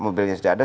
mobilnya sudah ada